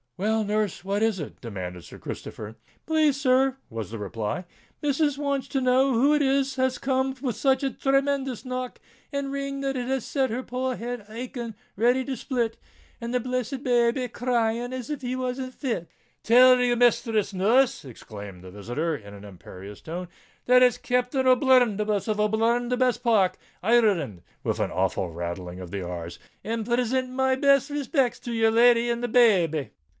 "Well, nurse—what is it?" demanded Sir Christopher. "Please, sir," was the reply, "missus wants to know who it was as come with such a chemendous knock and ring that it has set her poor head a aching ready to split, and the blessed babby a crying as if he was in fits." "Tell your misthress, nurse," exclaimed the visitor, in an imperious tone, "that it's Captain O'Bluntherbuss, of Bluntherbuss Park, Ir r reland," with an awful rattling of the r's; "and prisint my best rispicts to your lady and the babby."